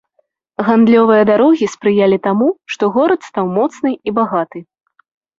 Гандлёвыя дарогі спрыялі таму, што горад стаў моцны і багаты.